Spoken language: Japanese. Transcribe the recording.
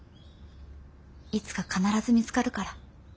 いつか必ず見つかるから。